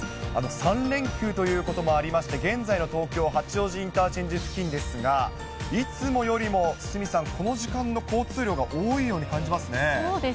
３連休ということもありまして、現在の東京・八王子インターチェンジ付近ですが、いつもよりも鷲見さん、この時間の交通量が多いように感じますね。